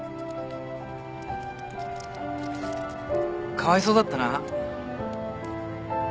かわいそうだったな。